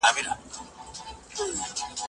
اوبه د زهشوم لخوا څښل کېږي!!